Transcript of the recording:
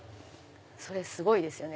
それすごいですよね。